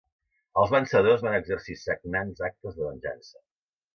Els vencedors van exercir sagnants actes de venjança.